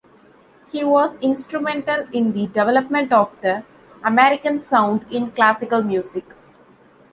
He was instrumental in the development of the "American Sound" in classical music.